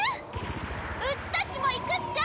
うちたちも行くっちゃ！